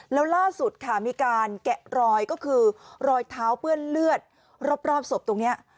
แล้วล่าสุดค่ะมีการแกะรอยก็คือรอยเท้าเปื้อนเลือดรอบศพตรงนี้